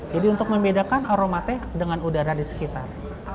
jadi untuk membedakan aromanya dengan udara di sekitar